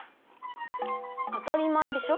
当たり前でしょ。